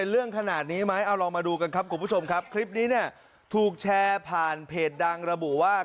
เอาลองมาดูกันครับคุณผู้ชมครับคลิปนี้ถูกแชร์ผ่านเพจดังระบุว่า